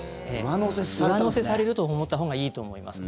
上乗せされると思ったほうがいいと思います。